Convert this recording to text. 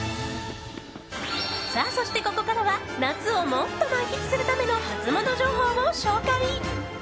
そして、ここからは夏をもっと満喫するためのハツモノ情報を紹介。